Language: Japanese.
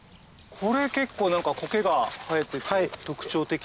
これ結構コケが生えてて特徴的だなと。